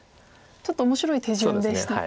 ちょっと面白い手順でしたか。